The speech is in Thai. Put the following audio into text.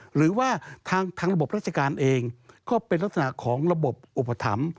หรือว่าทางระบบราชการเองก็เป็นลักษณะของระบบอุปถัมภ์